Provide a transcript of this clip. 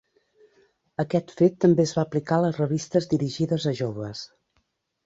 Aquest fet també es va aplicar a les revistes dirigides a joves.